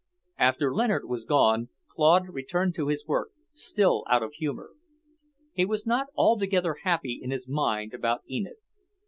After Leonard was gone, Claude returned to his work, still out of humour. He was not altogether happy in his mind about Enid.